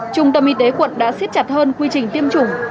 trung tâm y tế quận đã xiết chặt hơn quy trình tiêm chủng